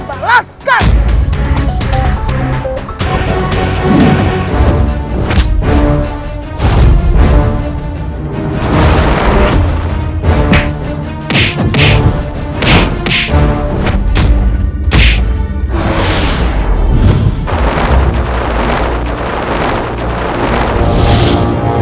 aku akan selalu mengganggu